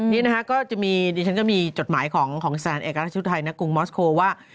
นี้ของฉันก็มีจดหมายของสถานเอกราชทธายในกรุงอุเบกิสถานโมสโคลว่า